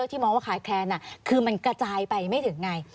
ที่มองว่าขายแคลนคือมันกระจายไปไม่ถึงไง